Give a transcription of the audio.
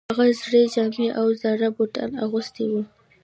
هغه زړې جامې او زاړه بوټان اغوستي وو